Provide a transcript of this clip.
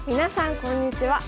こんにちは。